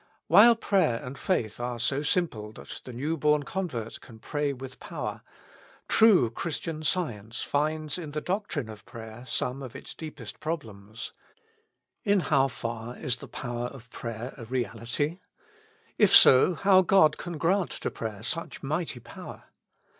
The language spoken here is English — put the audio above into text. While prayer and faith are so simple that the new born convert can pray with power, true Christian science finds in the doctrine of prayer some of its deepest problems. In how far is the power of prayer a reality ? If so, how God can grant to prayer such mighty power?